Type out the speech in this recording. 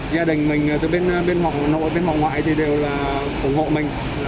gia đình mình từ bên mọc nội bên mọc ngoại đều phủng hộ mình